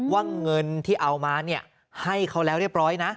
ว่าเงินที่เอามาให้เขาแล้วเรียบร้อยนะ